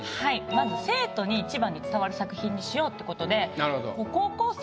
まず生徒に一番に伝わる作品にしようってことで。